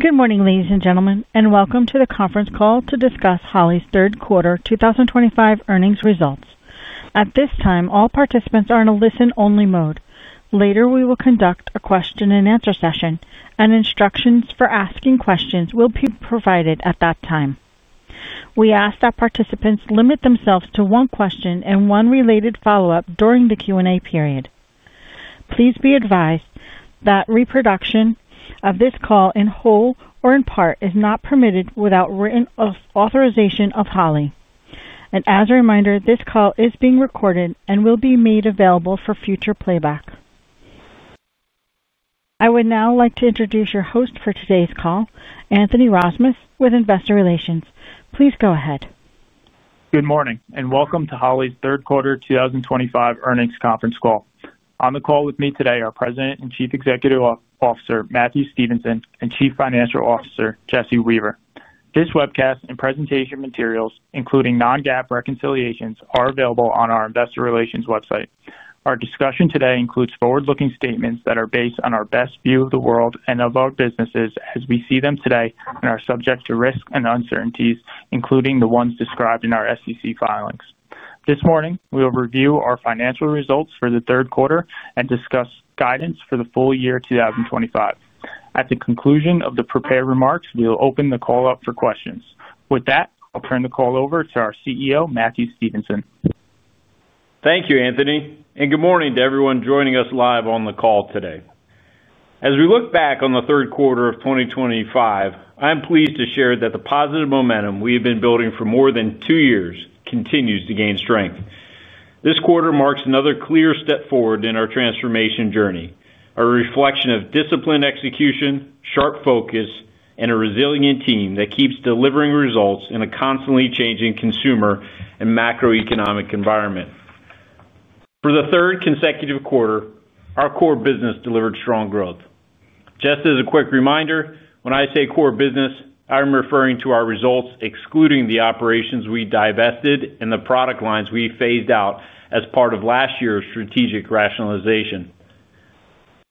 Good morning, ladies and gentlemen, and welcome to the conference call to discuss Holley's third quarter 2025 earnings results. At this time, all participants are in a listen-only mode. Later, we will conduct a question-and-answer session, and instructions for asking questions will be provided at that time. We ask that participants limit themselves to one question and one related follow-up during the Q&A period. Please be advised that reproduction of this call in whole or in part is not permitted without written authorization of Holley. And as a reminder, this call is being recorded and will be made available for future playback. I would now like to introduce your host for today's call, Anthony Rasmus, with Investor Relations. Please go ahead. Good morning and welcome to Holley's third quarter 2025 earnings conference call. On the call with me today are President and Chief Executive Officer Matthew Stevenson and Chief Financial Officer Jesse Weaver. This webcast and presentation materials, including non-GAAP reconciliations, are available on our Investor Relations website. Our discussion today includes forward-looking statements that are based on our best view of the world and of our businesses as we see them today and are subject to risks and uncertainties, including the ones described in our SEC filings. This morning, we will review our financial results for the third quarter and discuss guidance for the full year 2025. At the conclusion of the prepared remarks, we will open the call up for questions. With that, I'll turn the call over to our CEO, Matthew Stevenson. Thank you, Anthony, and good morning to everyone joining us live on the call today. As we look back on the third quarter of 2024, I'm pleased to share that the positive momentum we have been building for more than two years continues to gain strength. This quarter marks another clear step forward in our transformation journey, a reflection of disciplined execution, sharp focus, and a resilient team that keeps delivering results in a constantly changing consumer and macroeconomic environment. For the third consecutive quarter, our core business delivered strong growth. Just as a quick reminder, when I say core business, I'm referring to our results, excluding the operations we divested and the product lines we phased out as part of last year's strategic rationalization.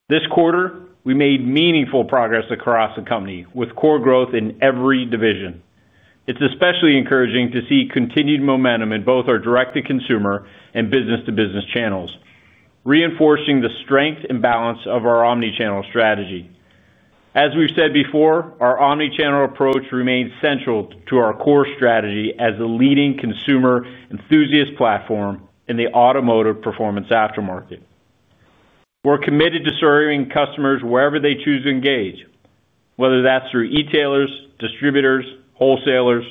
This quarter, we made meaningful progress across the company with core growth in every division. It's especially encouraging to see continued momentum in both our direct-to-consumer and business-to-business channels, reinforcing the strength and balance of our omnichannel strategy. As we've said before, our omnichannel approach remains central to our core strategy as a leading consumer enthusiast platform in the automotive performance aftermarket. We're committed to serving customers wherever they choose to engage, whether that's through e-tailers, distributors, wholesalers,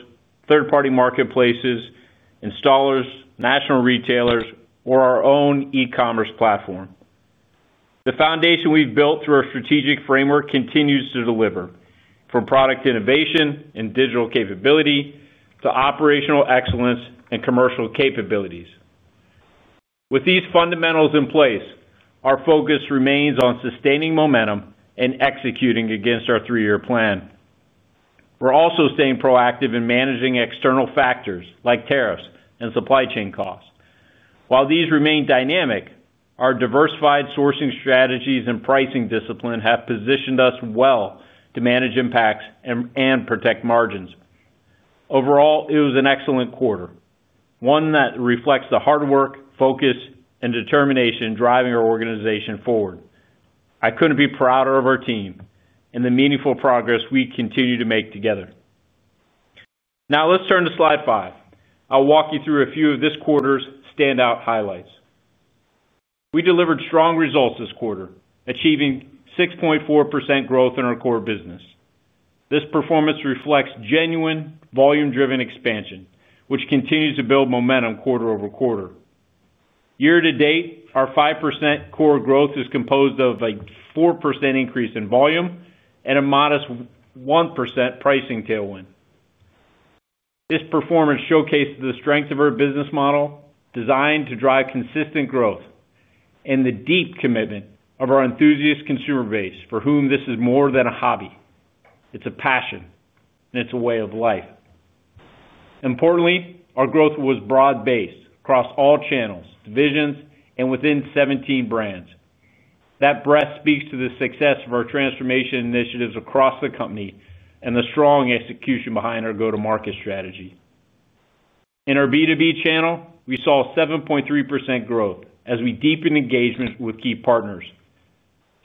third-party marketplaces, installers, national retailers, or our own e-commerce platform. The foundation we've built through our strategic framework continues to deliver, from product innovation and digital capability to operational excellence and commercial capabilities. With these fundamentals in place, our focus remains on sustaining momentum and executing against our three-year plan. We're also staying proactive in managing external factors like tariffs and supply chain costs. While these remain dynamic, our diversified sourcing strategies and pricing discipline have positioned us well to manage impacts and protect margins. Overall, it was an excellent quarter, one that reflects the hard work, focus, and determination driving our organization forward. I couldn't be prouder of our team and the meaningful progress we continue to make together. Now, let's turn to slide five. I'll walk you through a few of this quarter's standout highlights. We delivered strong results this quarter, achieving 6.4% growth in our core business. This performance reflects genuine volume-driven expansion, which continues to build momentum quarter over quarter. Year to date, our 5% core growth is composed of a 4% increase in volume and a modest 1% pricing tailwind. This performance showcased the strength of our business model designed to drive consistent growth and the deep commitment of our enthusiast consumer base for whom this is more than a hobby. It's a passion, and it's a way of life. Importantly, our growth was broad-based across all channels, divisions, and within 17 brands. That breadth speaks to the success of our transformation initiatives across the company and the strong execution behind our go-to-market strategy. In our B2B channel, we saw 7.3% growth as we deepened engagement with key partners.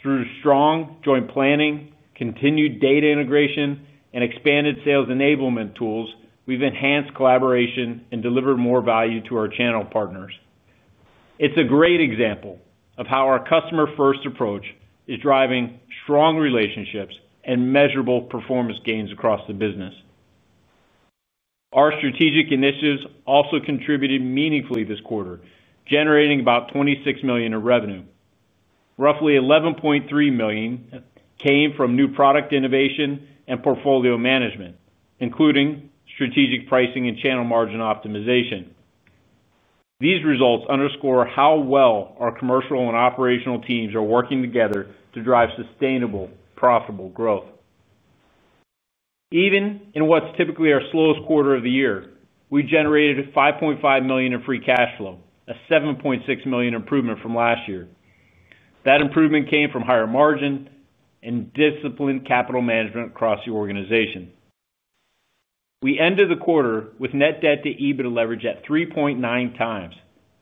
Through strong joint planning, continued data integration, and expanded sales enablement tools, we've enhanced collaboration and delivered more value to our channel partners. It's a great example of how our customer-first approach is driving strong relationships and measurable performance gains across the business. Our strategic initiatives also contributed meaningfully this quarter, generating about $26 million in revenue. Roughly $11.3 million came from new product innovation and portfolio management, including strategic pricing and channel margin optimization. These results underscore how well our commercial and operational teams are working together to drive sustainable, profitable growth. Even in what's typically our slowest quarter of the year, we generated $5.5 million in free cash flow, a $7.6 million improvement from last year. That improvement came from higher margin and disciplined capital management across the organization. We ended the quarter with net debt to EBITDA leverage at 3.9x,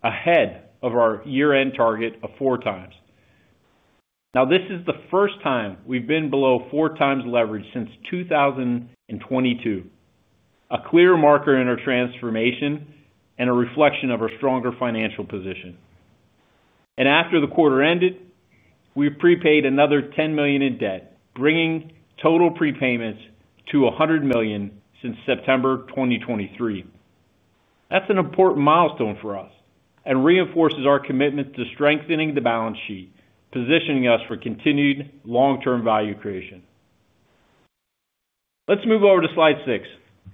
ahead of our year-end target of 4x. Now, this is the first time we've been below 4x leverage since 2022, a clear marker in our transformation and a reflection of our stronger financial position. And after the quarter ended, we prepaid another $10 million in debt, bringing total prepayments to $100 million since September 2023. That's an important milestone for us and reinforces our commitment to strengthening the balance sheet, positioning us for continued long-term value creation. Let's move over to slide six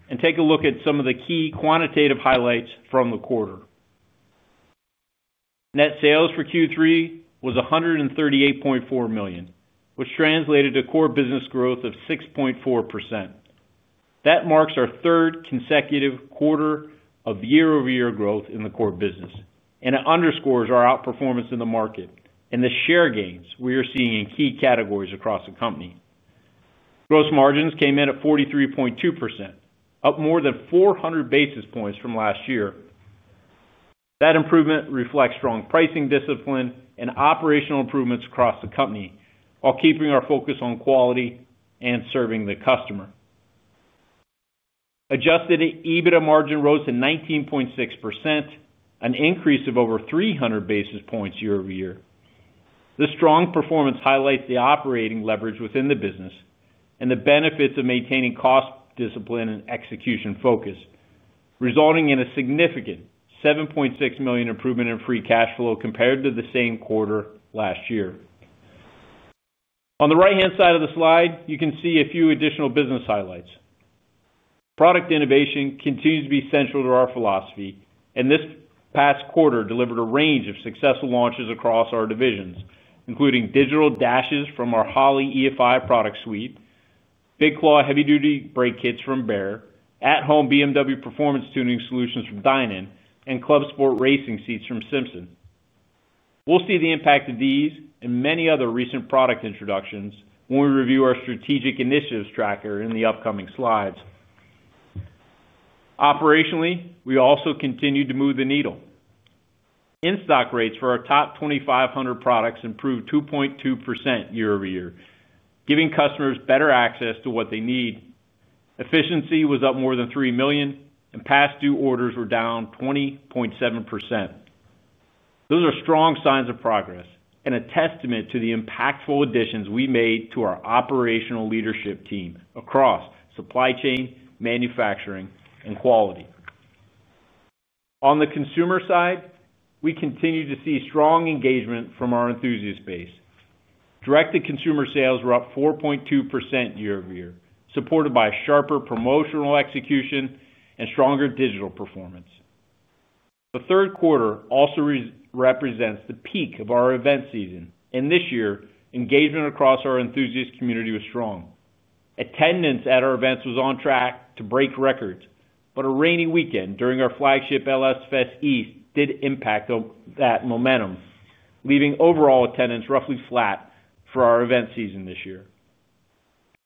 and take a look at some of the key quantitative highlights from the quarter. Net sales for Q3 was $138.4 million, which translated to core business growth of 6.4%. That marks our third consecutive quarter of year-over-year growth in the core business, and it underscores our outperformance in the market and the share gains we are seeing in key categories across the company. Gross margins came in at 43.2%, up more than 400 basis points from last year. That improvement reflects strong pricing discipline and operational improvements across the company while keeping our focus on quality and serving the customer. Adjusted EBITDA margin rose to 19.6%, an increase of over 300 basis points year-over-year. This strong performance highlights the operating leverage within the business and the benefits of maintaining cost discipline and execution focus, resulting in a significant $7.6 million improvement in free cash flow compared to the same quarter last year. On the right-hand side of the slide, you can see a few additional business highlights. Product innovation continues to be central to our philosophy, and this past quarter delivered a range of successful launches across our divisions, including digital dashes from our Holley EFI product suite, Big Claw heavy-duty brake kits from Baer, at-home BMW performance tuning solutions from DINAN, and Club Sport racing seats from Simpson. We'll see the impact of these and many other recent product introductions when we review our strategic initiatives tracker in the upcoming slides. Operationally, we also continued to move the needle. In-stock rates for our top 2,500 products improved 2.2% year-over-year, giving customers better access to what they need. Efficiency was up more than $3 million, and past-due orders were down 20.7%. Those are strong signs of progress and a testament to the impactful additions we made to our operational leadership team across supply chain, manufacturing, and quality. On the consumer side, we continue to see strong engagement from our enthusiast base. Direct-to-consumer sales were up 4.2% year-over-year, supported by sharper promotional execution and stronger digital performance. The third quarter also represents the peak of our event season, and this year, engagement across our enthusiast community was strong. Attendance at our events was on track to break records, but a rainy weekend during our flagship LS Fest East did impact that momentum, leaving overall attendance roughly flat for our event season this year.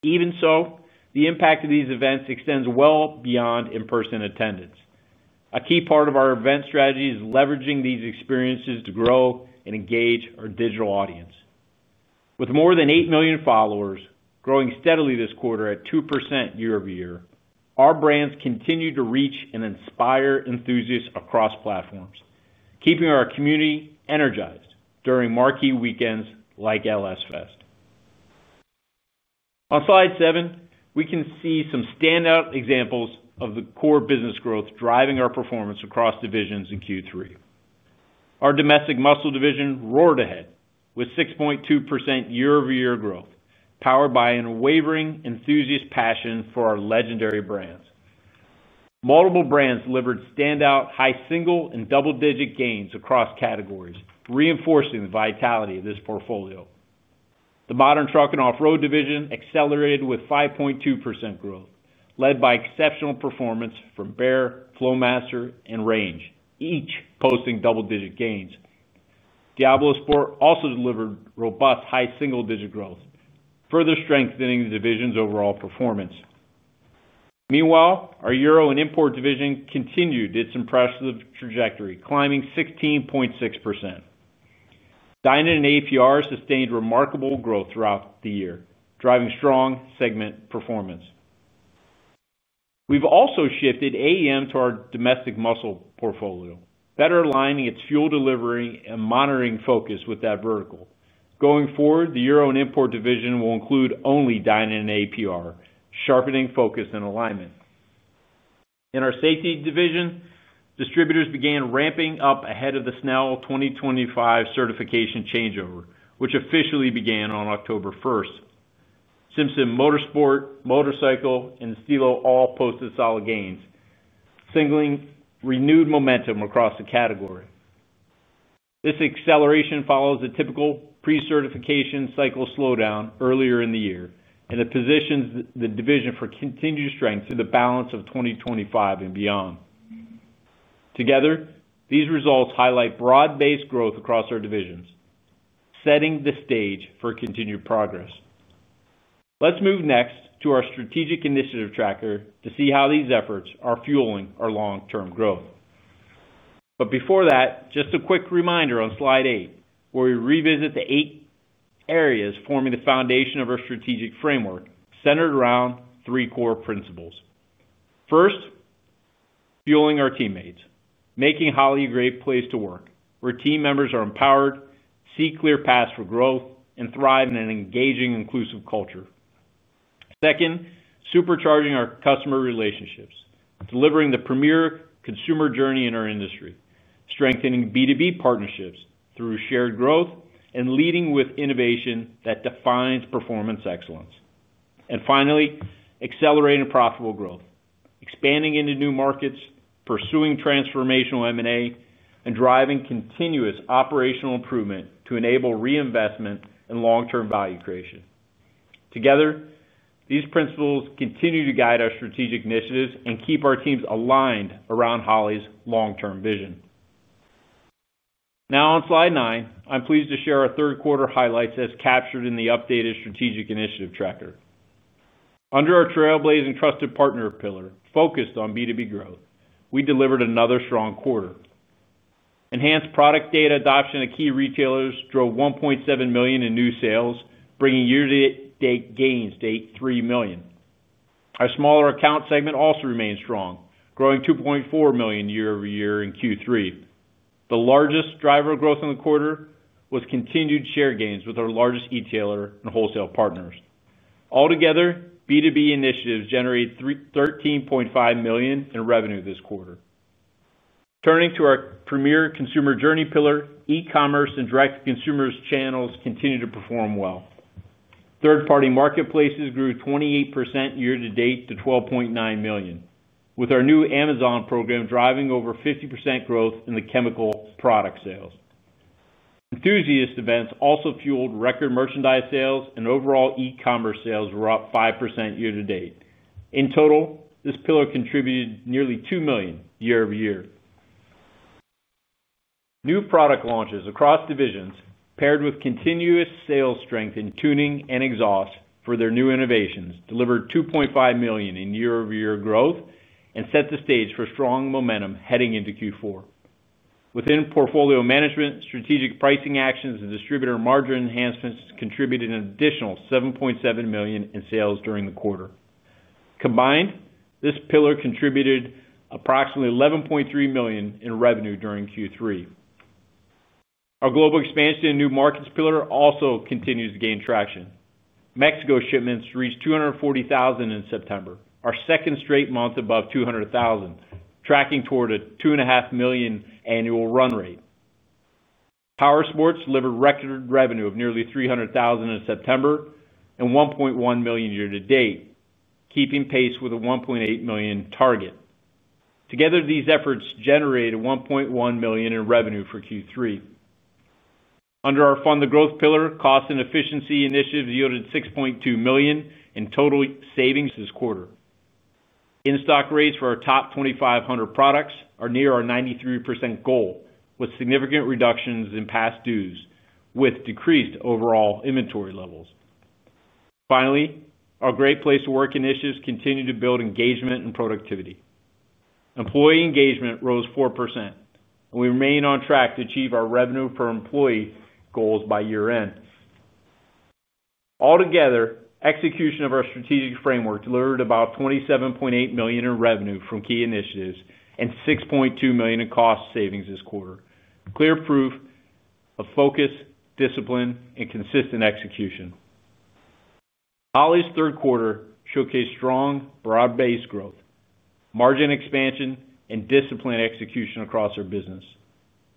Even so, the impact of these events extends well beyond in-person attendance. A key part of our event strategy is leveraging these experiences to grow and engage our digital audience. With more than 8 million followers growing steadily this quarter at 2% year-over-year, our brands continue to reach and inspire enthusiasts across platforms, keeping our community energized during marquee weekends like LS Fest East. On slide seven, we can see some standout examples of the core business growth driving our performance across divisions in Q3. Our domestic muscle division roared ahead with 6.2% year-over-year growth, powered by an unwavering enthusiast passion for our legendary brands. Multiple brands delivered standout high single and double-digit gains across categories, reinforcing the vitality of this portfolio. The modern truck and off-road division accelerated with 5.2% growth, led by exceptional performance from Baer, Flowmaster, and Range, each posting double-digit gains. DiabloSport also delivered robust high single-digit growth, further strengthening the division's overall performance. Meanwhile, our Euro and import division continued its impressive trajectory, climbing 16.6%. DINAN and APR sustained remarkable growth throughout the year, driving strong segment performance. We've also shifted AEM to our domestic muscle portfolio, better aligning its fuel delivery and monitoring focus with that vertical. Going forward, the Euro and import division will include only DINAN and APR, sharpening focus and alignment. In our safety division, distributors began ramping up ahead of the Snell 2025 certification changeover, which officially began on October 1st. Simpson Motorsport, Motorcycle, and Stilo all posted solid gains, signaling renewed momentum across the category. This acceleration follows a typical pre-certification cycle slowdown earlier in the year and positions the division for continued strength through the balance of 2025 and beyond. Together, these results highlight broad-based growth across our divisions, setting the stage for continued progress. Let's move next to our strategic initiative tracker to see how these efforts are fueling our long-term growth. But before that, just a quick reminder on slide eight, where we revisit the eight areas forming the foundation of our strategic framework centered around three core principles. First, fueling our teammates, making Holley a great place to work, where team members are empowered, see clear paths for growth, and thrive in an engaging, inclusive culture. Second, supercharging our customer relationships, delivering the premier consumer journey in our industry, strengthening B2B partnerships through shared growth, and leading with innovation that defines performance excellence. And finally, accelerating profitable growth, expanding into new markets, pursuing transformational M&A, and driving continuous operational improvement to enable reinvestment and long-term value creation. Together, these principles continue to guide our strategic initiatives and keep our teams aligned around Holley's long-term vision. Now, on slide nine, I'm pleased to share our third quarter highlights as captured in the updated strategic initiative tracker. Under our Trailblazer & Trusted Partner pillar focused on B2B growth, we delivered another strong quarter. Enhanced product data adoption at key retailers drove $1.7 million in new sales, bringing year-to-date gains to $83 million. Our smaller account segment also remained strong, growing $2.4 million year-over-year in Q3. The largest driver of growth in the quarter was continued share gains with our largest retailer and wholesale partners. Altogether, B2B initiatives generated $13.5 million in revenue this quarter. Turning to our premier consumer journey pillar, e-commerce and direct-to-consumers channels continue to perform well. Third-party marketplaces grew 28% year-to-date to $12.9 million, with our new Amazon program driving over 50% growth in the chemical product sales. Enthusiast events also fueled record merchandise sales, and overall e-commerce sales were up 5% year-to-date. In total, this pillar contributed nearly $2 million year-over-year. New product launches across divisions, paired with continuous sales strength in tuning and exhaust for their new innovations, delivered $2.5 million in year-over-year growth and set the stage for strong momentum heading into Q4. Within portfolio management, strategic pricing actions and distributor margin enhancements contributed an additional $7.7 million in sales during the quarter. Combined, this pillar contributed approximately $11.3 million in revenue during Q3. Our global expansion and new markets pillar also continues to gain traction. Mexico shipments reached 240,000 in September, our second straight month above 200,000, tracking toward a $2.5 million annual run rate. Powersports delivered record revenue of nearly $300,000 in September and $1.1 million year-to-date, keeping pace with a $1.8 million target. Together, these efforts generated $1.1 million in revenue for Q3. Under our funded growth pillar, cost and efficiency initiatives yielded $6.2 million in total savings this quarter. In-stock rates for our top 2,500 products are near our 93% goal, with significant reductions in past dues, with decreased overall inventory levels. Finally, our great place to work initiatives continue to build engagement and productivity. Employee engagement rose 4%, and we remain on track to achieve our revenue per employee goals by year-end. Altogether, execution of our strategic framework delivered about $27.8 million in revenue from key initiatives and $6.2 million in cost savings this quarter, clear proof of focus, discipline, and consistent execution. Holley's third quarter showcased strong broad-based growth, margin expansion, and disciplined execution across our business.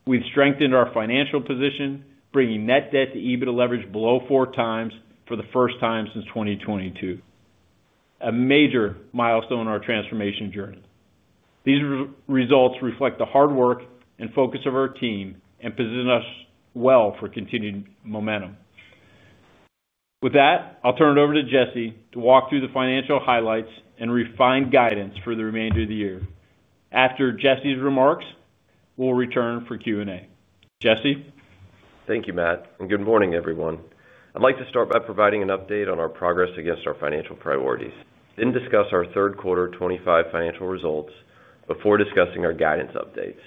We've strengthened our financial position, bringing net debt to EBITDA leverage below 4x for the first time since 2022, a major milestone in our transformation journey. These results reflect the hard work and focus of our team and position us well for continued momentum. With that, I'll turn it over to Jesse to walk through the financial highlights and refine guidance for the remainder of the year. After Jesse's remarks, we'll return for Q&A. Jesse. Thank you, Matt. And good morning, everyone. I'd like to start by providing an update on our progress against our financial priorities, then discuss our third quarter '25 financial results before discussing our guidance updates.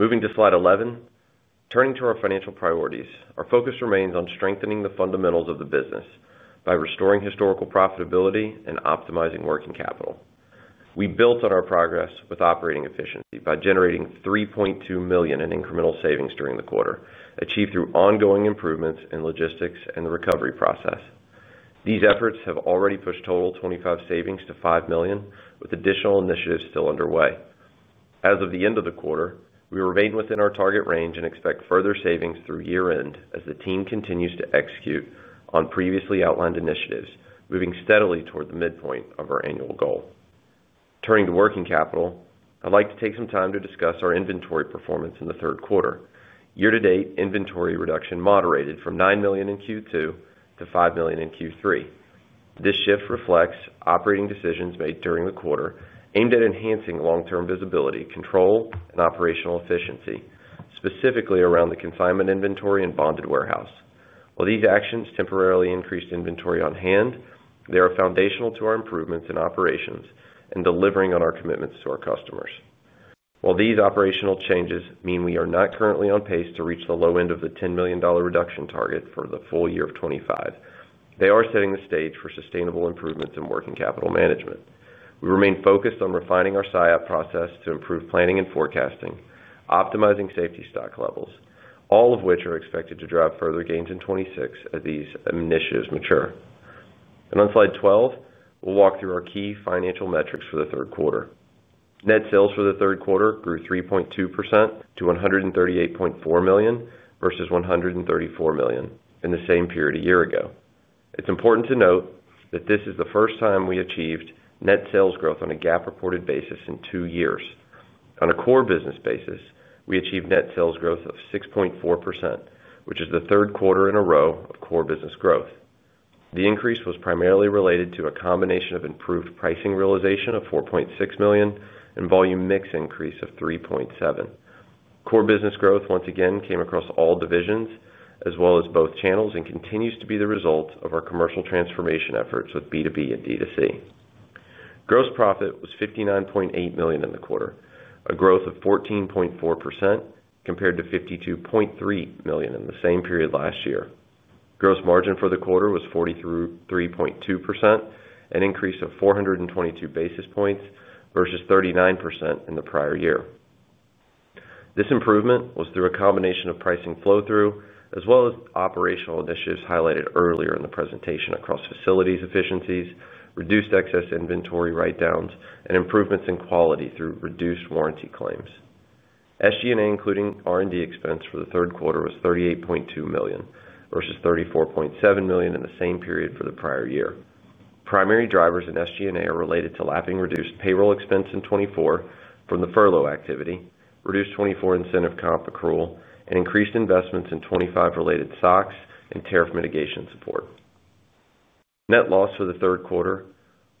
Moving to slide 11, turning to our financial priorities, our focus remains on strengthening the fundamentals of the business by restoring historical profitability and optimizing working capital. We built on our progress with operating efficiency by generating $3.2 million in incremental savings during the quarter, achieved through ongoing improvements in logistics and the recovery process. These efforts have already pushed total 25 savings to 5 million, with additional initiatives still underway. As of the end of the quarter, we remain within our target range and expect further savings through year-end as the team continues to execute on previously outlined initiatives, moving steadily toward the midpoint of our annual goal. Turning to working capital, I'd like to take some time to discuss our inventory performance in the third quarter. Year-to-date, inventory reduction moderated from 9 million in Q2 to 5 million in Q3. This shift reflects operating decisions made during the quarter aimed at enhancing long-term visibility, control, and operational efficiency, specifically around the consignment inventory and bonded warehouse. While these actions temporarily increased inventory on hand, they are foundational to our improvements in operations and delivering on our commitments to our customers. While these operational changes mean we are not currently on pace to reach the low end of the $10 million reduction target for the full year of '25, they are setting the stage for sustainable improvements in working capital management. We remain focused on refining our SIOP process to improve planning and forecasting, optimizing safety stock levels, all of which are expected to drive further gains in '26 as these initiatives mature. And on slide 12, we'll walk through our key financial metrics for the third quarter. Net sales for the third quarter grew 3.2% to $138.4 million versus $134 million in the same period a year ago. It's important to note that this is the first time we achieved net sales growth on a gap reported basis in two years. On a core business basis, we achieved net sales growth of 6.4%, which is the third quarter in a row of core business growth. The increase was primarily related to a combination of improved pricing realization of $4.6 million and volume mix increase of 3.7. Core business growth once again came across all divisions as well as both channels and continues to be the result of our commercial transformation efforts with B2B and D2C. Gross profit was $59.8 million in the quarter, a growth of 14.4% compared to $52.3 million in the same period last year. Gross margin for the quarter was 43.2%, an increase of 422 basis points versus 39% in the prior year. This improvement was through a combination of pricing flow-through as well as operational initiatives highlighted earlier in the presentation across facilities efficiencies, reduced excess inventory write-downs, and improvements in quality through reduced warranty claims. SG&A, including R&D expense for the third quarter, was $38.2 million versus $34.7 million in the same period for the prior year. Primary drivers in SG&A are related to lapping reduced payroll expense in '24 from the furlough activity, reduced '24 incentive comp accrual, and increased investments in '25-related stocks and tariff mitigation support. Net loss for the third quarter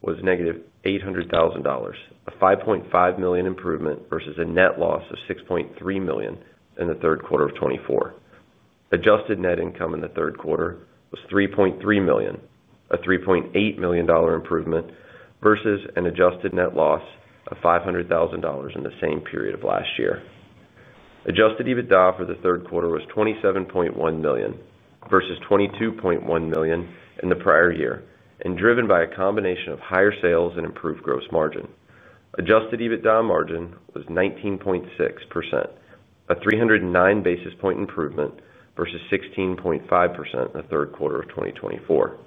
was -$800,000, a $5.5 million improvement versus a net loss of $6.3 million in the third quarter of '24. Adjusted net income in the third quarter was $3.3 million, a $3.8 million improvement versus an adjusted net loss of $500,000 in the same period of last year. Adjusted EBITDA for the third quarter was $27.1 million versus $22.1 million in the prior year, and driven by a combination of higher sales and improved gross margin. Adjusted EBITDA margin was 19.6%, a 309 basis point improvement versus 16.5% in the third quarter of 2024.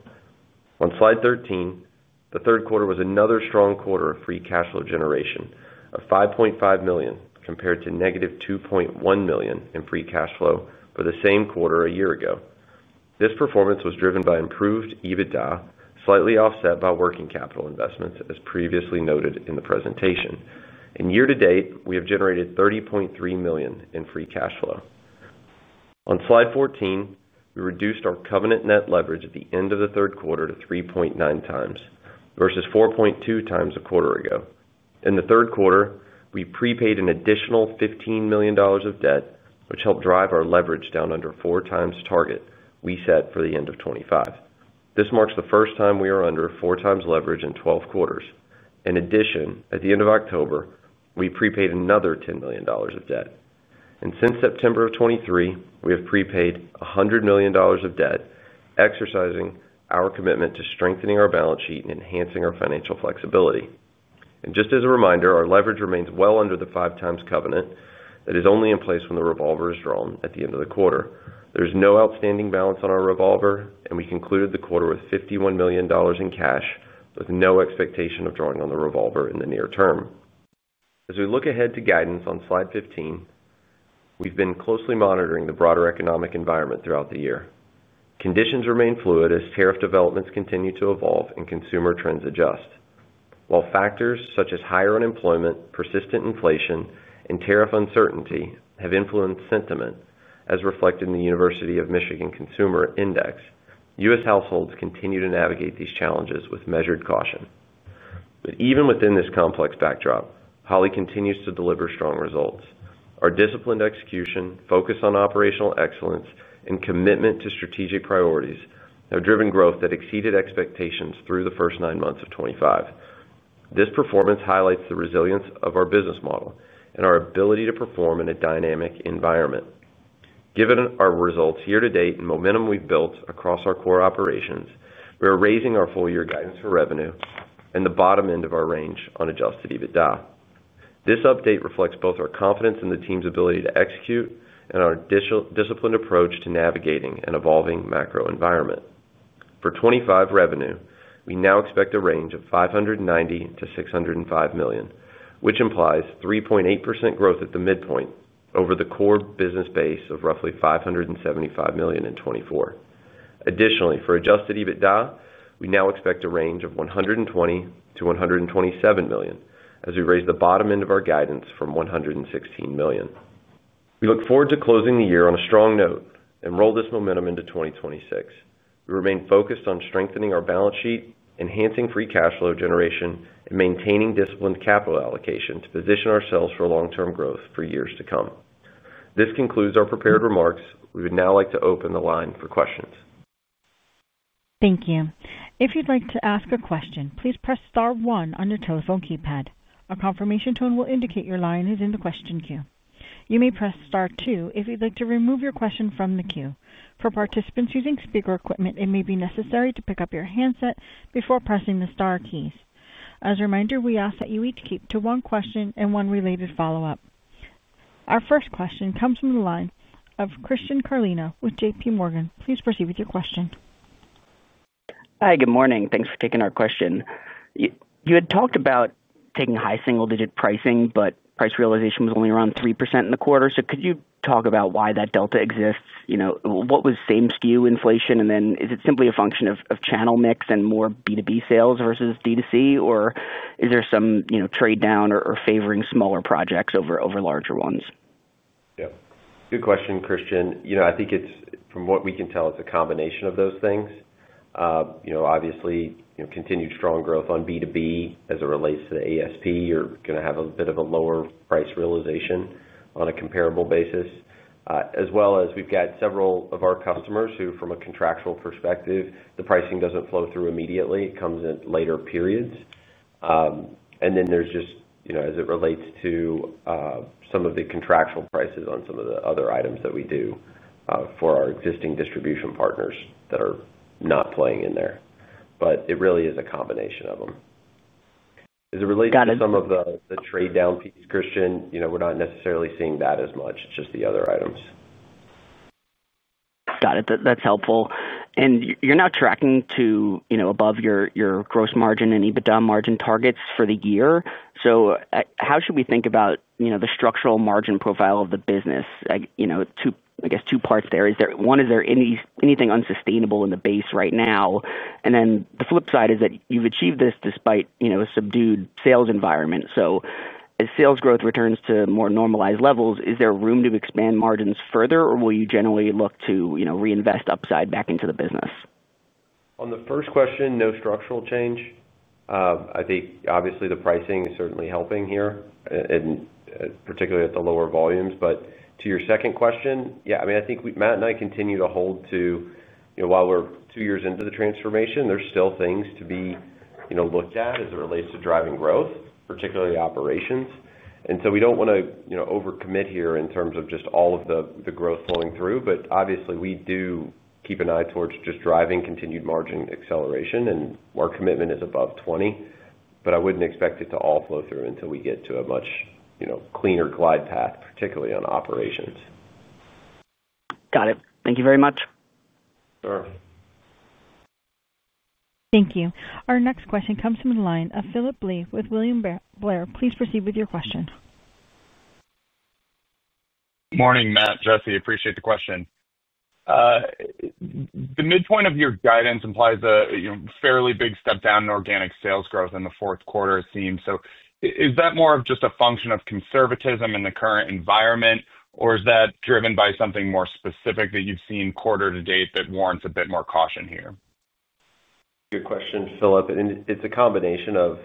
On slide 13, the third quarter was another strong quarter of free cash flow generation, a $5.5 million compared to -$2.1 million in free cash flow for the same quarter a year ago. This performance was driven by improved EBITDA, slightly offset by working capital investments, as previously noted in the presentation. And year-to-date, we have generated $30.3 million in free cash flow. On slide 14, we reduced our covenant net leverage at the end of the third quarter to 3.9x versus 4.2x a quarter ago. In the third quarter, we prepaid an additional $15 million of debt, which helped drive our leverage down under 4x target we set for the end of 2025. This marks the first time we are under 4x leverage in 12 quarters. In addition, at the end of October, we prepaid another $10 million of debt. And since September of '23, we have prepaid $100 million of debt, exercising our commitment to strengthening our balance sheet and enhancing our financial flexibility. And just as a reminder, our leverage remains well under the 5x covenant that is only in place when the revolver is drawn at the end of the quarter. There is no outstanding balance on our revolver, and we concluded the quarter with $51 million in cash, with no expectation of drawing on the revolver in the near term. As we look ahead to guidance on slide 15, we've been closely monitoring the broader economic environment throughout the year. Conditions remain fluid as tariff developments continue to evolve and consumer trends adjust. While factors such as higher unemployment, persistent inflation, and tariff uncertainty have influenced sentiment, as reflected in the University of Michigan Consumer Index, U.S. households continue to navigate these challenges with measured caution. But even within this complex backdrop, Holley continues to deliver strong results. Our disciplined execution, focus on operational excellence, and commitment to strategic priorities have driven growth that exceeded expectations through the first nine months of '25. This performance highlights the resilience of our business model and our ability to perform in a dynamic environment. Given our results year-to-date and momentum we've built across our core operations, we are raising our full-year guidance for revenue and the bottom end of our range on adjusted EBITDA. This update reflects both our confidence in the team's ability to execute and our disciplined approach to navigating an evolving macro environment. For '25 revenue, we now expect a range of $590 million-$605 million, which implies 3.8% growth at the midpoint over the core business base of roughly $575 million in '24. Additionally, for adjusted EBITDA, we now expect a range of $120 million-$127 million as we raise the bottom end of our guidance from $116 million. We look forward to closing the year on a strong note and roll this momentum into 2026. We remain focused on strengthening our balance sheet, enhancing free cash flow generation, and maintaining disciplined capital allocation to position ourselves for long-term growth for years to come. This concludes our prepared remarks. We would now like to open the line for questions. Thank you. If you'd like to ask a question, please press Star one on your telephone keypad. A confirmation tone will indicate your line is in the question queue. You may press Star two if you'd like to remove your question from the queue. For participants using speaker equipment, it may be necessary to pick up your handset before pressing the Star keys. As a reminder, we ask that you each keep to one question and one related follow-up. Our first question comes from the line of Christian Carlina with J.P. Morgan. Please proceed with your question. Hi. Good morning. Thanks for taking our question. You had talked about taking high single-digit pricing, but price realization was only around 3% in the quarter. So could you talk about why that delta exists? What was same SKU inflation? And then is it simply a function of channel mix and more B2B sales versus D2C? Or is there some trade-down or favoring smaller projects over larger ones? Yep. Good question, Christian. I think it's, from what we can tell, it's a combination of those things. Obviously, continued strong growth on B2B as it relates to the ASP. You're going to have a bit of a lower price realization on a comparable basis, as well as we've got several of our customers who, from a contractual perspective, the pricing doesn't flow through immediately. It comes in later periods. And then there's just, as it relates to some of the contractual prices on some of the other items that we do for our existing distribution partners that are not playing in there. But it really is a combination of them. As it relates to some of the trade-down piece, Christian, we're not necessarily seeing that as much. It's just the other items. Got it. That's helpful. And you're now tracking to above your gross margin and EBITDA margin targets for the year. So how should we think about the structural margin profile of the business? I guess two parts there. One, is there anything unsustainable in the base right now? And then the flip side is that you've achieved this despite a subdued sales environment. So as sales growth returns to more normalized levels, is there room to expand margins further, or will you generally look to reinvest upside back into the business? On the first question, no structural change. I think, obviously, the pricing is certainly helping here, particularly at the lower volumes. But to your second question, yeah, I mean, I think Matt and I continue to hold to, while we're two years into the transformation, there's still things to be looked at as it relates to driving growth, particularly operations. And so we don't want to overcommit here in terms of just all of the growth flowing through. But obviously, we do keep an eye towards just driving continued margin acceleration, and our commitment is above 20. But I wouldn't expect it to all flow through until we get to a much cleaner glide path, particularly on operations. Got it. Thank you very much. Sure. Thank you. Our next question comes from the line of Philip Leigh with William Blair. Please proceed with your question. Morning, Matt. Jesse, appreciate the question. The midpoint of your guidance implies a fairly big step down in organic sales growth in the fourth quarter, it seems. So is that more of just a function of conservatism in the current environment, or is that driven by something more specific that you've seen quarter to date that warrants a bit more caution here? Good question, Philip. It's a combination of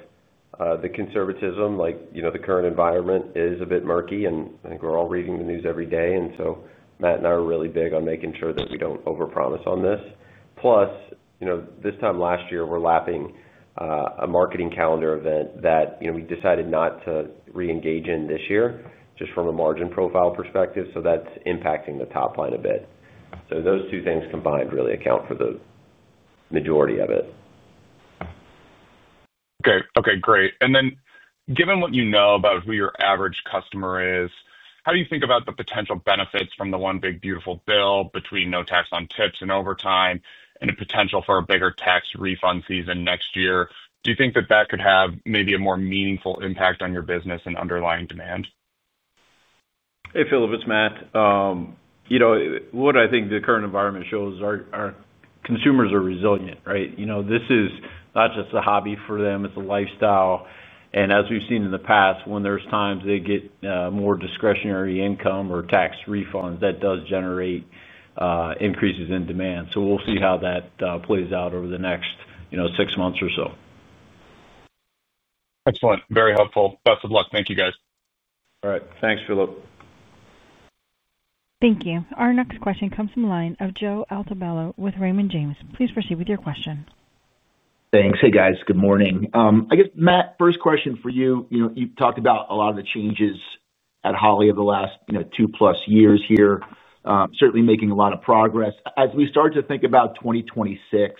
the conservatism. The current environment is a bit murky, and I think we're all reading the news every day. And so Matt and I are really big on making sure that we don't overpromise on this. Plus, this time last year, we're lapping a marketing calendar event that we decided not to reengage in this year just from a margin profile perspective. So that's impacting the top line a bit. So those two things combined really account for the majority of it. Okay. Okay. Great. And then given what you know about who your average customer is, how do you think about the potential benefits from the one big beautiful bill between no tax on tips and overtime and the potential for a bigger tax refund season next year? Do you think that that could have maybe a more meaningful impact on your business and underlying demand? Hey, Philip, it's Matt. What I think the current environment shows is our consumers are resilient, right? This is not just a hobby for them. It's a lifestyle. And as we've seen in the past, when there's times they get more discretionary income or tax refunds, that does generate increases in demand. So we'll see how that plays out over the next six months or so. Excellent. Very helpful. Best of luck. Thank you, guys. All right. Thanks, Philip. Thank you. Our next question comes from the line of Joe Altobello with Raymond James. Please proceed with your question. Thanks. Hey, guys. Good morning. I guess, Matt, first question for you. You've talked about a lot of the changes at Holley of the last two-plus years here, certainly making a lot of progress. As we start to think about 2026,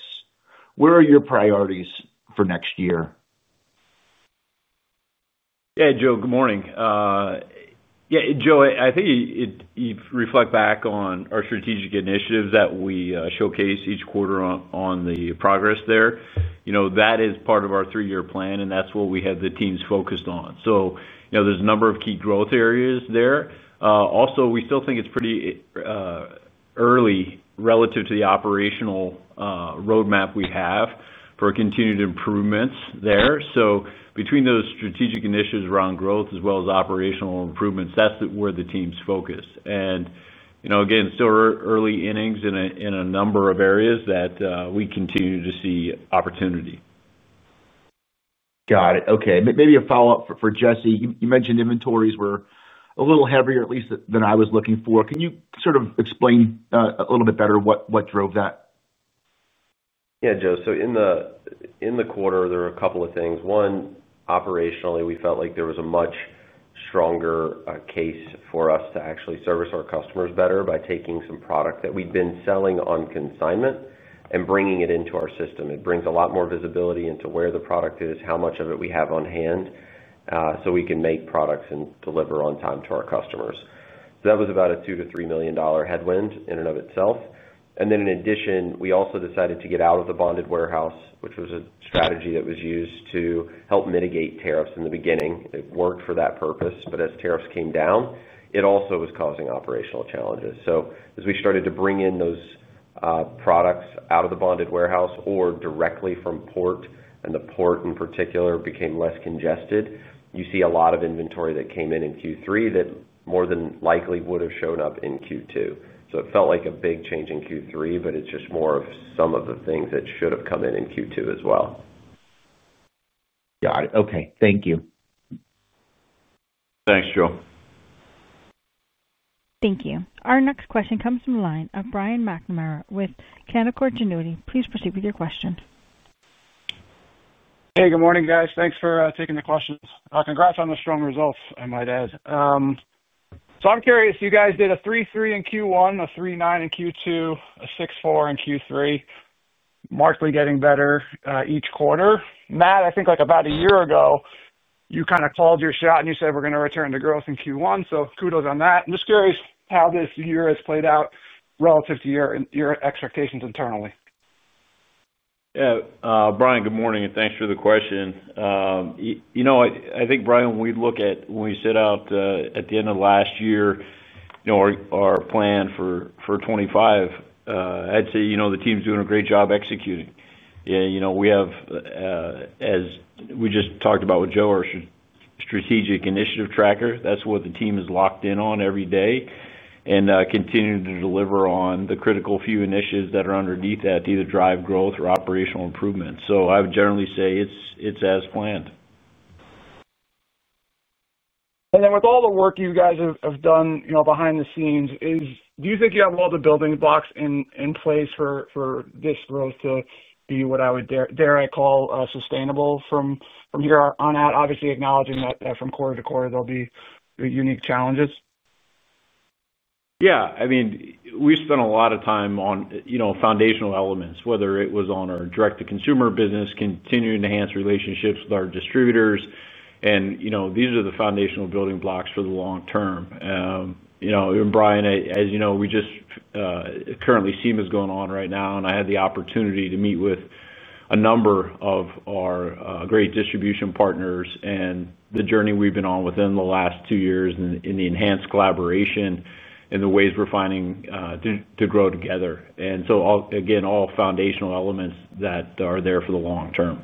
where are your priorities for next year? Hey, Joe. Good morning. Yeah, Joe, I think you've reflected back on our strategic initiatives that we showcase each quarter on the progress there. That is part of our three-year plan, and that's what we have the teams focused on. So there's a number of key growth areas there. Also, we still think it's pretty early relative to the operational roadmap we have for continued improvements there. So between those strategic initiatives around growth as well as operational improvements, that's where the team's focused. And again, still early innings in a number of areas that we continue to see opportunity. Got it. Okay. Maybe a follow-up for Jesse. You mentioned inventories were a little heavier, at least, than I was looking for. Can you sort of explain a little bit better what drove that? Yeah, Joe. So in the quarter, there were a couple of things. One, operationally, we felt like there was a much stronger case for us to actually service our customers better by taking some product that we'd been selling on consignment and bringing it into our system. It brings a lot more visibility into where the product is, how much of it we have on hand, so we can make products and deliver on time to our customers. So that was about a $2 million-$3 million headwind in and of itself. And then in addition, we also decided to get out of the bonded warehouse, which was a strategy that was used to help mitigate tariffs in the beginning. It worked for that purpose. But as tariffs came down, it also was causing operational challenges. So as we started to bring in those products out of the bonded warehouse or directly from port, and the port in particular became less congested, you see a lot of inventory that came in in Q3 that more than likely would have shown up in Q2. So it felt like a big change in Q3, but it's just more of some of the things that should have come in in Q2 as well. Got it. Okay. Thank you. Thanks, Joe. Thank you. Our next question comes from the line of Brian McNamara with Canaccord Genuity. Please proceed with your question. Hey, good morning, guys. Thanks for taking the questions. Congrats on the strong results, I might add. So I'm curious. You guys did a 3-3 in Q1, a 3-9 in Q2, a 6-4 in Q3, markedly getting better each quarter. Matt, I think about a year ago, you kind of called your shot and you said, "We're going to return to growth in Q1." So kudos on that. I'm just curious how this year has played out relative to your expectations internally. Yeah. Brian, good morning, and thanks for the question. I think, Brian, when we look at when we set out at the end of last year, our plan for '25, I'd say the team's doing a great job executing. We have, as we just talked about with Joe, our strategic initiative tracker. That's what the team is locked in on every day and continuing to deliver on the critical few initiatives that are underneath that to either drive growth or operational improvements. So I would generally say it's as planned. And then with all the work you guys have done behind the scenes, do you think you have all the building blocks in place for this growth to be what I would dare I call sustainable from here on out? Obviously, acknowledging that from quarter to quarter, there'll be unique challenges. Yeah. I mean, we spent a lot of time on foundational elements, whether it was on our direct-to-consumer business, continuing to enhance relationships with our distributors. And these are the foundational building blocks for the long term. And Brian, as you know, we just currently see what's going on right now. And I had the opportunity to meet with a number of our great distribution partners and the journey we've been on within the last two years in the enhanced collaboration and the ways we're finding to grow together. And so, again, all foundational elements that are there for the long term.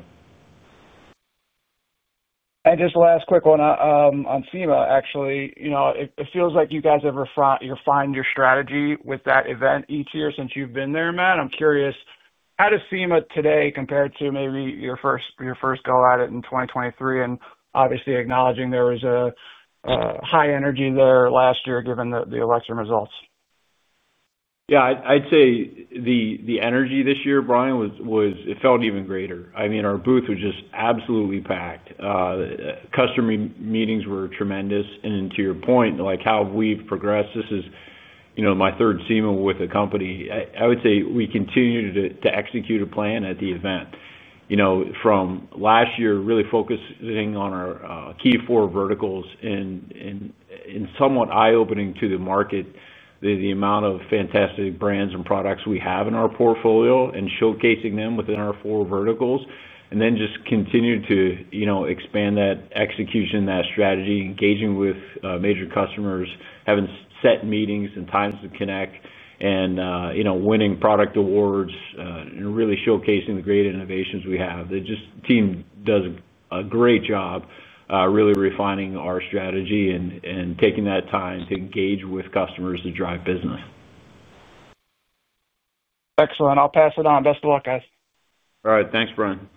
And just last quick one on SEMA, actually. It feels like you guys have refined your strategy with that event each year since you've been there, Matt. I'm curious, how does SEMA today compare to maybe your first go at it in 2023? And obviously, acknowledging there was a high energy there last year given the election results. Yeah. I'd say the energy this year, Brian, it felt even greater. I mean, our booth was just absolutely packed. Customer meetings were tremendous. And to your point, how we've progressed, this is my third SEMA with the company. I would say we continued to execute a plan at the event. From last year, really focusing on our key four verticals and somewhat eye-opening to the market, the amount of fantastic brands and products we have in our portfolio and showcasing them within our four verticals, and then just continuing to expand that execution, that strategy, engaging with major customers, having set meetings and times to connect, and winning product awards, and really showcasing the great innovations we have. The team does a great job really refining our strategy and taking that time to engage with customers to drive business. Excellent. I'll pass it on. Best of luck, guys. All right. Thanks, Brian.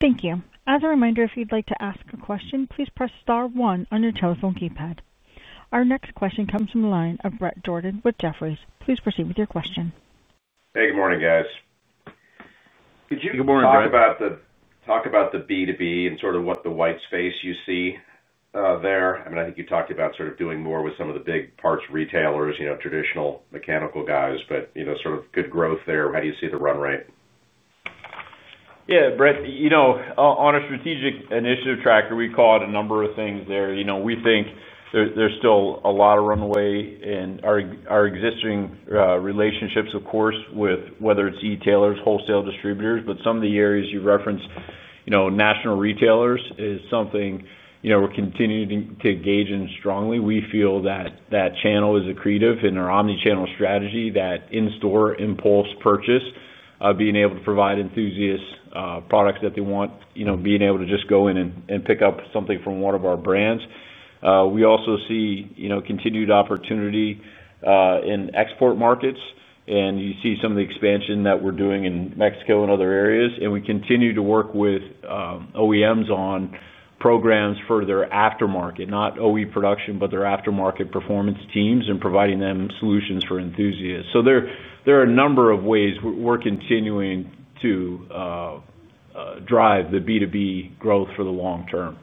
Thank you. As a reminder, if you'd like to ask a question, please press star one on your telephone keypad. Our next question comes from the line of Brett Jordan with Jefferies. Please proceed with your question. Hey, good morning, guys. Could you talk about the B2B and sort of what the white space you see there? I mean, I think you talked about sort of doing more with some of the big parts retailers, traditional mechanical guys, but sort of good growth there. How do you see the run rate? Yeah, Brett, on our strategic initiative tracker, we call it a number of things there. We think there's still a lot of runway in our existing relationships, of course, with whether it's e-tailors, wholesale distributors. But some of the areas you referenced, national retailers, is something we're continuing to engage in strongly. We feel that that channel is accretive in our omnichannel strategy, that in-store impulse purchase, being able to provide enthusiasts products that they want, being able to just go in and pick up something from one of our brands. We also see continued opportunity in export markets. And you see some of the expansion that we're doing in Mexico and other areas. And we continue to work with OEMs on programs for their aftermarket, not OE production, but their aftermarket performance teams and providing them solutions for enthusiasts. So there are a number of ways we're continuing to drive the B2B growth for the long term.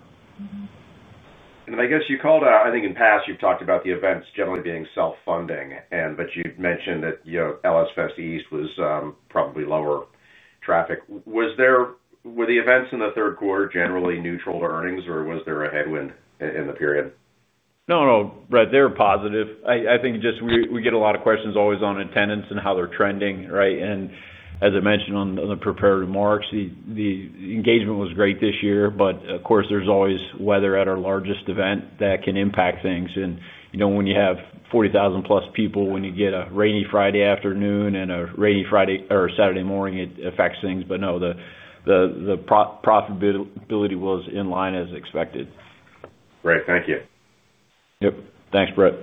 And I guess you called out, I think in past, you've talked about the events generally being self-funding. But you'd mentioned that LSFest East was probably lower traffic. Were the events in the third quarter generally neutral to earnings, or was there a headwind in the period? No, no, Brett, they were positive. I think just we get a lot of questions always on attendance and how they're trending, right? And as I mentioned on the preparatory marks, the engagement was great this year. But of course, there's always weather at our largest event that can impact things. And when you have 40,000-plus people, when you get a rainy Friday afternoon and a rainy Friday or Saturday morning, it affects things. But no, the profitability was in line as expected. Great. Thank you. Yep. Thanks, Brett.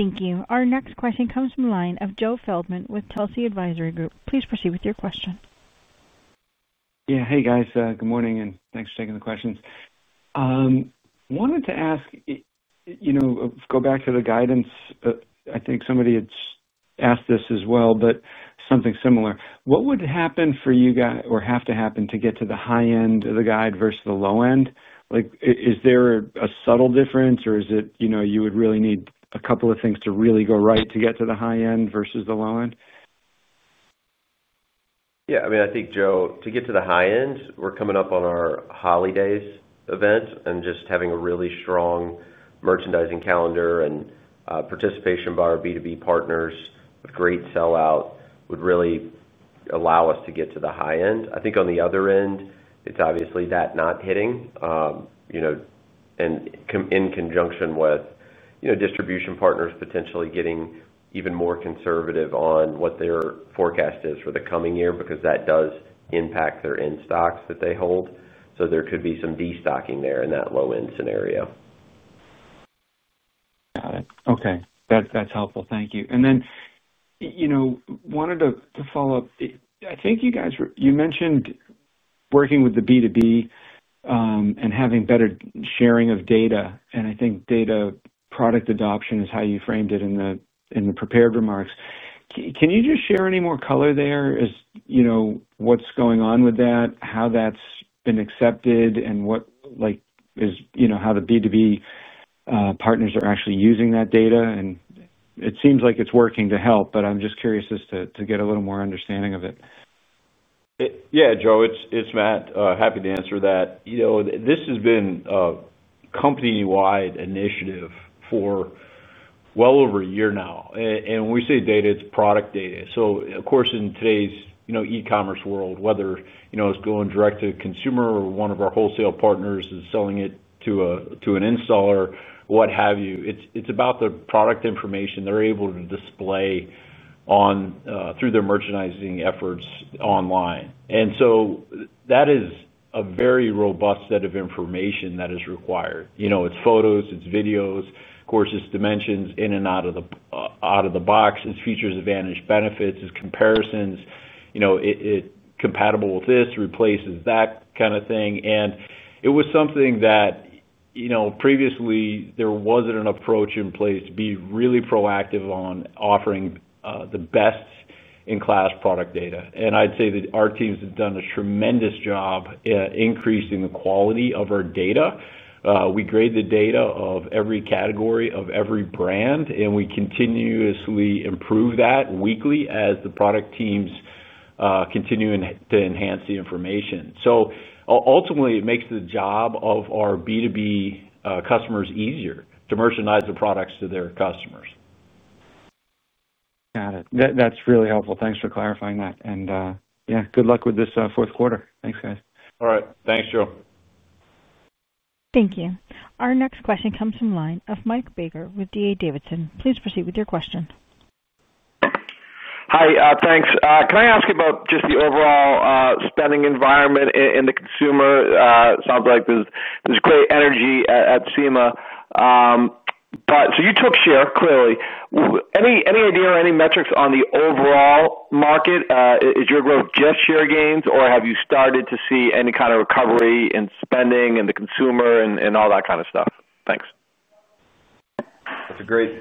Thank you. Our next question comes from the line of Joe Feldman with Telsey Advisory Group. Please proceed with your question. Yeah. Hey, guys. Good morning, and thanks for taking the questions. Wanted to ask, go back to the guidance. I think somebody had asked this as well, but something similar. What would happen for you guys or have to happen to get to the high end of the guide versus the low end? Is there a subtle difference, or is it you would really need a couple of things to really go right to get to the high end versus the low end? Yeah. I mean, I think, Joe, to get to the high end, we're coming up on our Holley Days event and just having a really strong merchandising calendar and participation by our B2B partners with great sellout would really allow us to get to the high end. I think on the other end, it's obviously that not hitting and in conjunction with distribution partners potentially getting even more conservative on what their forecast is for the coming year because that does impact their end stocks that they hold. So there could be some destocking there in that low-end scenario. Got it. Okay. That's helpful. Thank you. And then wanted to follow up. I think you mentioned working with the B2B and having better sharing of data. And I think data product adoption is how you framed it in the prepared remarks. Can you just share any more color there as what's going on with that, how that's been accepted, and how the B2B partners are actually using that data? And it seems like it's working to help, but I'm just curious just to get a little more understanding of it. Yeah, Joe, it's Matt. Happy to answer that. This has been a company-wide initiative for well over a year now. And when we say data, it's product data. So of course, in today's e-commerce world, whether it's going direct to a consumer or one of our wholesale partners is selling it to an installer, what have you, it's about the product information they're able to display through their merchandising efforts online. And so that is a very robust set of information that is required. It's photos, it's videos, of course, it's dimensions in and out of the box. It's features of vantage benefits, it's comparisons. It's compatible with this, replaces that kind of thing. And it was something that previously there wasn't an approach in place to be really proactive on offering the best-in-class product data. And I'd say that our teams have done a tremendous job increasing the quality of our data. We grade the data of every category, of every brand, and we continuously improve that weekly as the product teams continue to enhance the information. So ultimately, it makes the job of our B2B customers easier to merchandise the products to their customers. Got it. That's really helpful. Thanks for clarifying that. And yeah, good luck with this fourth quarter. Thanks, guys. All right. Thanks, Joe. Thank you. Our next question comes from the line of Mike Baker with D.A. Davidson. Please proceed with your question. Hi. Thanks. Can I ask you about just the overall spending environment in the consumer? It sounds like there's great energy at FEMA. So you took share, clearly. Any idea or any metrics on the overall market? Is your growth just share gains, or have you started to see any kind of recovery in spending and the consumer and all that kind of stuff? Thanks. That's a great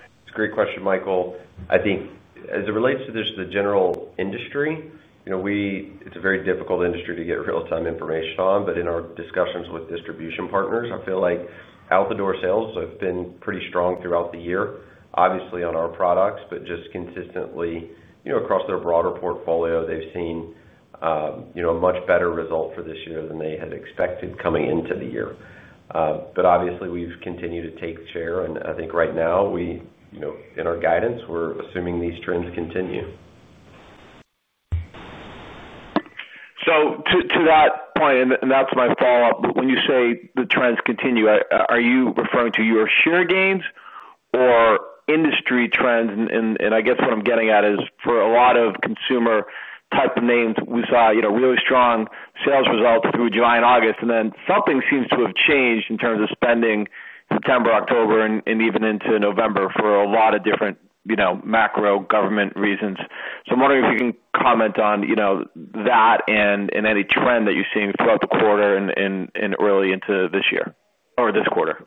question, Michael. I think as it relates to just the general industry, it's a very difficult industry to get real-time information on. But in our discussions with distribution partners, I feel like out-the-door sales have been pretty strong throughout the year, obviously on our products, but just consistently across their broader portfolio, they've seen a much better result for this year than they had expected coming into the year. But obviously, we've continued to take share. And I think right now, in our guidance, we're assuming these trends continue. So to that point, and that's my follow-up, when you say the trends continue, are you referring to your share gains or industry trends? And I guess what I'm getting at is for a lot of consumer type of names, we saw really strong sales results through July and August. And then something seems to have changed in terms of spending September, October, and even into November for a lot of different macro government reasons. So I'm wondering if you can comment on that and any trend that you're seeing throughout the quarter and early into this year or this quarter.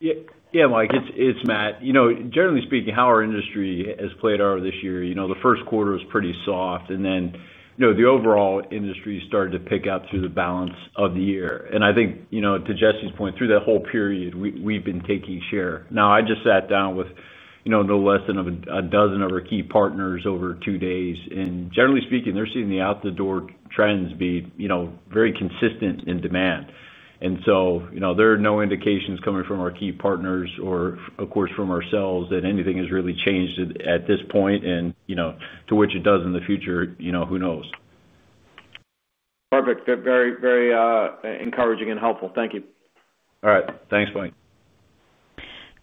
Yeah, Mike, it's Matt. Generally speaking, how our industry has played over this year, the first quarter was pretty soft. And then the overall industry started to pick up through the balance of the year. And I think to Jesse's point, through that whole period, we've been taking share. Now, I just sat down with no less than a dozen of our key partners over two days. And generally speaking, they're seeing the out-the-door trends be very consistent in demand. And so there are no indications coming from our key partners or, of course, from ourselves that anything has really changed at this point. And to which it does in the future, who knows? Perfect. Very, very encouraging and helpful. Thank you. All right. Thanks, Mike.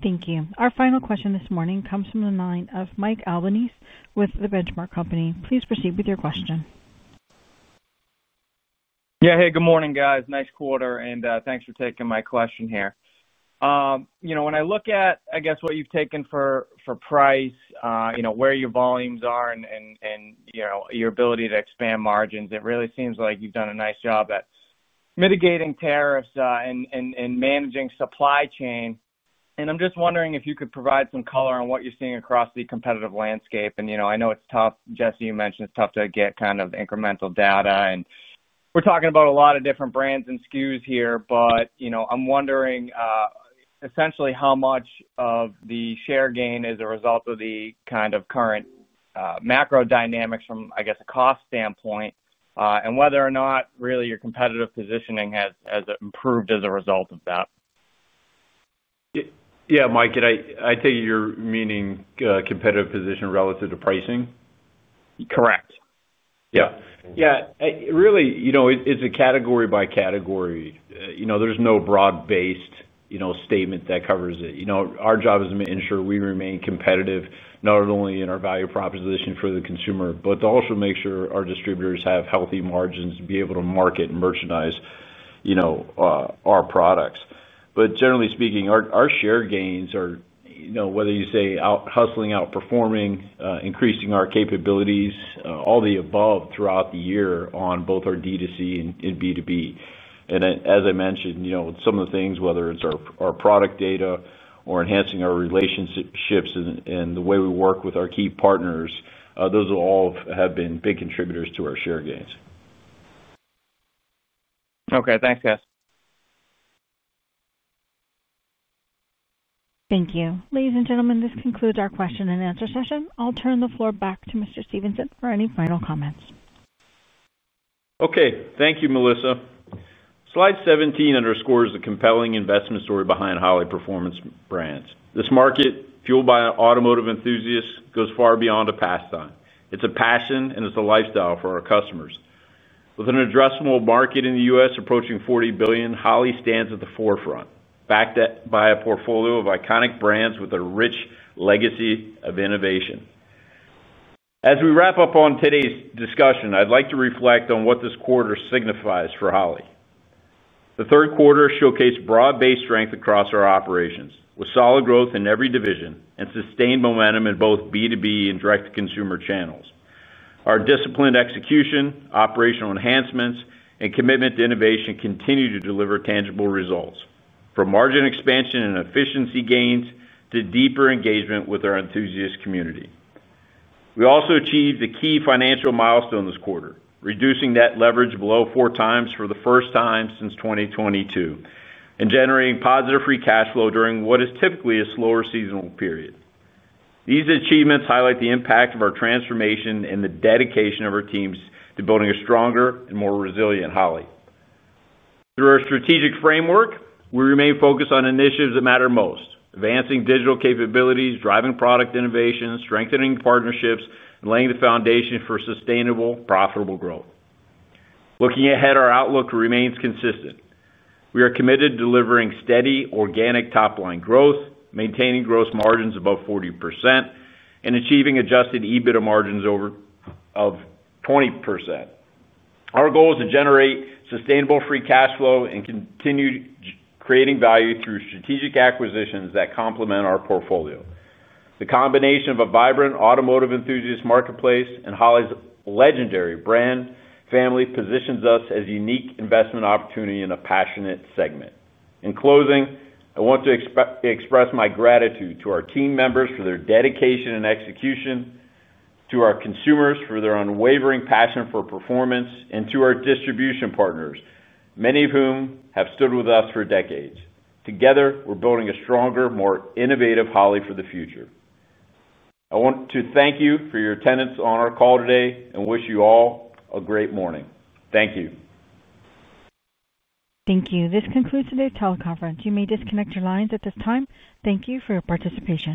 Thank you. Our final question this morning comes from the line of Mike Albanese with the Benchmark Company. Please proceed with your question. Yeah. Hey, good morning, guys. Nice quarter. And thanks for taking my question here. When I look at, I guess, what you've taken for price, where your volumes are, and your ability to expand margins, it really seems like you've done a nice job at mitigating tariffs and managing supply chain. And I'm just wondering if you could provide some color on what you're seeing across the competitive landscape. And I know it's tough, Jesse, you mentioned it's tough to get kind of incremental data. And we're talking about a lot of different brands and SKUs here. But I'm wondering, essentially, how much of the share gain is a result of the kind of current macro dynamics from, I guess, a cost standpoint, and whether or not really your competitive positioning has improved as a result of that. Yeah, Mike. I take your meaning competitive position relative to pricing? Correct. Yeah. Yeah. Really, it's a category-by-category. There's no broad-based statement that covers it. Our job is to ensure we remain competitive, not only in our value proposition for the consumer, but to also make sure our distributors have healthy margins to be able to market and merchandise our products. But generally speaking, our share gains are whether you say hustling, outperforming, increasing our capabilities, all the above throughout the year on both our D2C and B2B. And as I mentioned, some of the things, whether it's our product data or enhancing our relationships and the way we work with our key partners, those all have been big contributors to our share gains. Okay. Thanks, guys. Thank you. Ladies and gentlemen, this concludes our question and answer session. I'll turn the floor back to Mr. Stevenson for any final comments. Okay. Thank you, Melissa. Slide 17 underscores the compelling investment story behind Holley Performance brands. This market fueled by automotive enthusiasts goes far beyond a pastime. It's a passion, and it's a lifestyle for our customers. With an addressable market in the US approaching 40 billion, Holley stands at the forefront, backed by a portfolio of iconic brands with a rich legacy of innovation. As we wrap up on today's discussion, I'd like to reflect on what this quarter signifies for Holley. The third quarter showcased broad-based strength across our operations, with solid growth in every division and sustained momentum in both B2B and direct-to-consumer channels. Our disciplined execution, operational enhancements, and commitment to innovation continue to deliver tangible results, from margin expansion and efficiency gains to deeper engagement with our enthusiast community. We also achieved a key financial milestone this quarter, reducing net leverage below 4x for the first time since 2022 and generating positive free cash flow during what is typically a slower seasonal period. These achievements highlight the impact of our transformation and the dedication of our teams to building a stronger and more resilient Holley. Through our strategic framework, we remain focused on initiatives that matter most: advancing digital capabilities, driving product innovation, strengthening partnerships, and laying the foundation for sustainable, profitable growth. Looking ahead, our outlook remains consistent. We are committed to delivering steady, organic top-line growth, maintaining gross margins above 40%, and achieving adjusted EBITDA margins of 20%. Our goal is to generate sustainable free cash flow and continue creating value through strategic acquisitions that complement our portfolio. The combination of a vibrant automotive enthusiast marketplace and Holley's legendary brand family positions us as a unique investment opportunity in a passionate segment. In closing, I want to express my gratitude to our team members for their dedication and execution, to our consumers for their unwavering passion for performance, and to our distribution partners, many of whom have stood with us for decades. Together, we're building a stronger, more innovative Holley for the future. I want to thank you for your attendance on our call today and wish you all a great morning. Thank you. Thank you. This concludes today's teleconference. You may disconnect your lines at this time. Thank you for your participation.